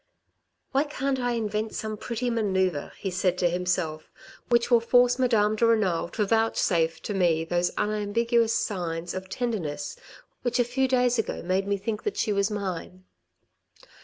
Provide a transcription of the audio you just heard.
" Why can't I invent some pretty manoeuvre," he said to him self which will force Madame de Renal to vouchsafe to me those unambiguous signs of tenderness which a few days ago made me think that she was mine.